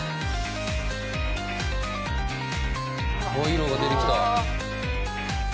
「色が出てきた」